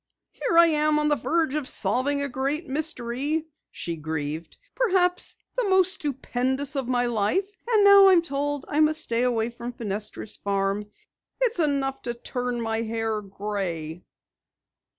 "Here, I'm on the verge of solving a great mystery," she grieved. "Perhaps the most stupendous of my life! And now I'm told I must stay away from Fenestra's farm. It's enough to turn my hair gray."